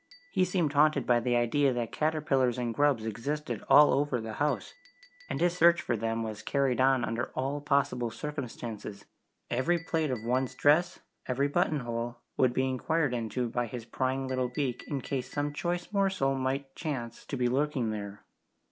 He seemed haunted by the idea that caterpillars and grubs existed all over the house, and his search for them was carried on under all possible circumstances every plait of one's dress, every button hole, would be inquired into by his prying little beak in case some choice morsel might chance to be lurking there.